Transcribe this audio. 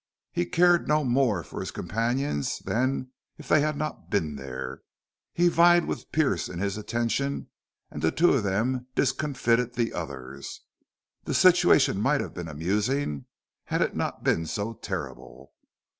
He cared no more for his companions than if they had not been there. He vied with Pearce in his attention, and the two of them discomfited the others. The situation might have been amusing had it not been so terrible.